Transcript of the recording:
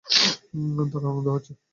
দারুণ আনন্দ হচ্ছে।